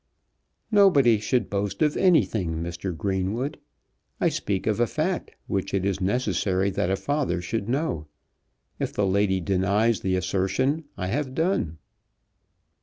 "Nobody should boast of anything, Mr. Greenwood. I speak of a fact which it is necessary that a father should know. If the lady denies the assertion I have done."